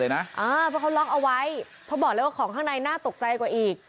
เพราะเขาล็อกเอาไว้เพราะบอกเลยว่าของข้างในน่าตกใจกว่าอีก